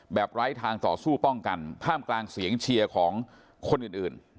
ไร้ทางต่อสู้ป้องกันท่ามกลางเสียงเชียร์ของคนอื่น